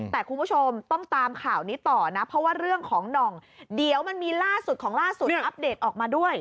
แต่คุณผู้ชมต้องตามข่าวนี้ต่อนะเพราะว่าเรื่องของหน่องเดี๋ยวมันมีล่าสุดของล่าสุดอัปเดตออกมาด้วย